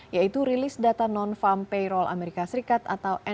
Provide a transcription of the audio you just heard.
yaitu rilis data non farm payroll amerika serikat